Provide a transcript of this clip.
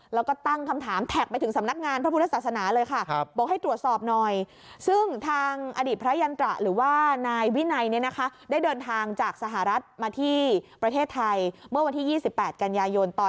แล้วก็ตั้งคำถามแถกมาถึงสำนักงานพระพุทธศาสนาเลยค่ะ